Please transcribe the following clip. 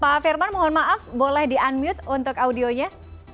pak firman mohon maaf boleh di unmute untuk audionya